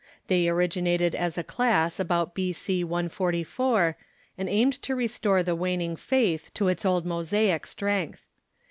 They orig inated as a class about b.c. 144, and aimed to re store the waning faitli to its old Mosaic strength.